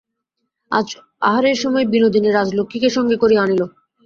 আজ আহারের সময় বিনোদিনী রাজলক্ষ্মীকে সঙ্গে করিয়া আনিল।